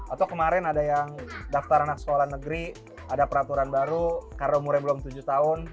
atau kemarin ada yang daftar anak sekolah negeri ada peraturan baru karena umurnya belum tujuh tahun